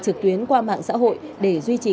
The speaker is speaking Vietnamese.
trực tuyến qua mạng xã hội để duy trì